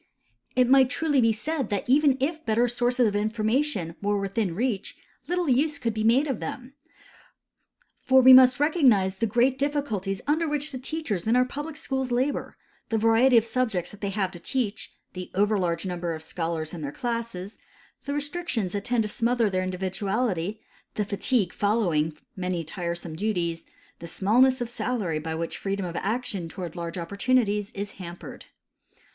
It might truly be said that even if better sources of information were within reach little use could be made of them ; for Ave must recognize the great difficulties under Avhich the teachers in our public schools labor: the variety of subjects that they have to teach, the overlarge number of scholars in their classes, the restrictions that tend to smother their individuality, the fatigue following many tiresome duties, the smallness of salary by which freedom of action toAvard large opportunities is hampered.